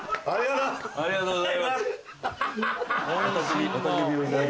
ありがとうございます。